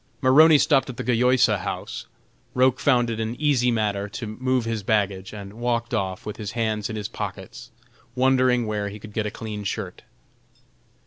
Maroney stopped at the Gayosa House. Roch found it an easy matter to move his baggage, and walked off with his hands in his pockets, wondering where he could get a clean shirt.